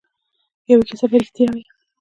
یوه کیسه به ریښتیا وي.